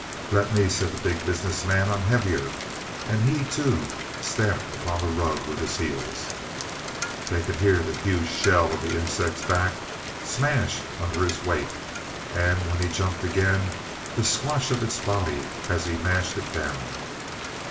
"Let me," said the Big Business Man. "I'm heavier"; and he, too, stamped upon the rug with his heels. They could hear the huge shell of the insect's back smash under his weight, and when he jumped again, the squash of its body as he mashed it down.